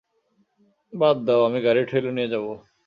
বাদ দাও, আমি গাড়ি ঠেলে নিয়ে যাব।